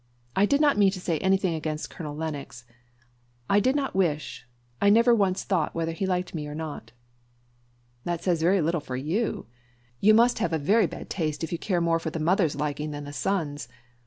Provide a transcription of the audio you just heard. "I did not mean to say anything against Colonel Lennox. I did not wish I never once thought whether he liked me or not." "That says very little for you. You must have a very bad taste if you care more for the mother's liking than the son's.